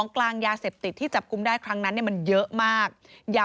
แต่ประเด็นอื่นก็ยังไม่ตัดทิ้งนะคะ